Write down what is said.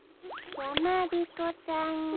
やまびこさんが。